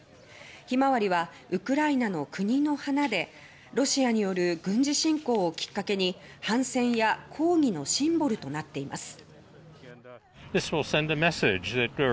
ヒマワリはウクライナの国の花でロシアによる軍事侵攻をきっかけに反戦や抗議のシンボルとなっています。